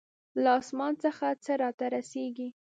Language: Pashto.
له آسمان څخه څه راته رسېږي.